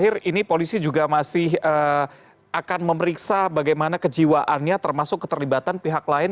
dan ini polisi juga masih akan memeriksa bagaimana kejiwaannya termasuk keterlibatan pihak lain